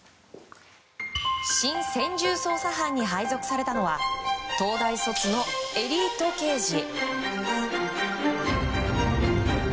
新専従捜査班に配属されたのは東大卒のエリート刑事。